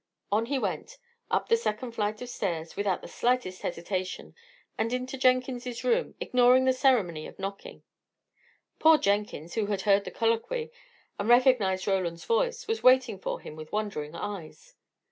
On he went, up the second flight of stairs, without the slightest hesitation, and into Jenkins's room, ignoring the ceremony of knocking. Poor Jenkins, who had heard the colloquy, and recognized Roland's voice, was waiting for him with wondering eyes.